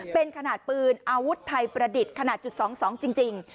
เป็นขนาดปืนอาวุธไทยประดิษฐ์ขนาดจุด๒๒จริง